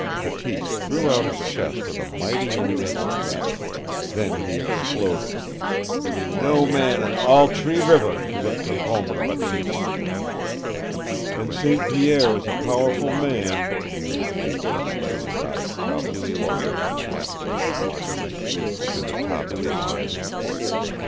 Bateese threw out his chest with a mighty intake of breath. Then he exploded: "No man on all T'ree River can w'ip Concombre Bateese." "And St. Pierre is a powerful man," mused David, letting his eyes travel slowly from the half breed's moccasined feet to the top of his head.